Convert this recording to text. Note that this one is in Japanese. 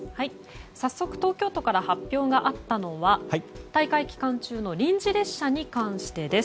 早速東京都から発表があったのは大会期間中の臨時列車に関してです。